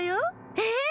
えっ？